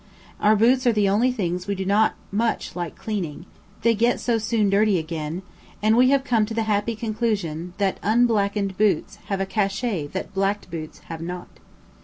Our boots are the only things we do not much like cleaning, they get so soon dirty again; and we have come to the happy conclusion that unblacked boots have a "cachet" that blacked boots have not.